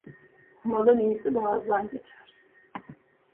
Malın iyisi boğazdan geçer.